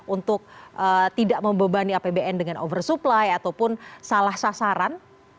untuk tidak membebani apbn dengan oversupply ataupun salah sasaran